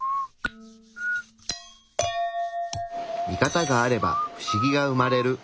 ミカタがあればフシギが生まれる。